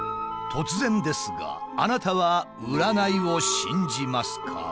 突然ですがあなたは占いを信じますか？